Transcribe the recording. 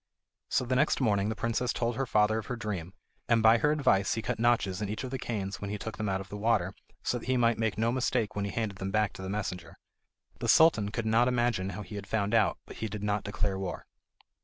So, the next morning, the princess told her father of her dream, and by her advice he cut notches in each of the canes when he took them out of the water, so that he might make no mistake when he handed them back to the messenger. The Sultan could not imagine how he had found out, but he did not declare war.